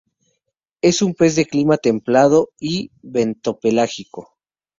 Es un pez de clima templado y bentopelágico.